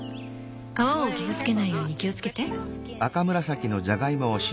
皮を傷つけないように気をつけて。